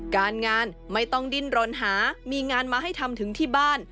การงานไม่ต้องดิ้นรนหามีงานมาให้ทำถึงที่บ้าน